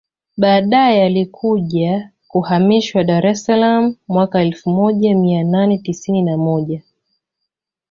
Baadae yalikuja kuhamishiwa Dar es salaam mwaka elfu moja mia nane tisini na moja